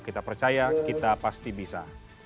kita percaya kita pasti bisa